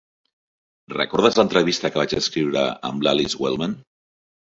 Recordes l'entrevista que vaig escriure amb l'Alice Wellman?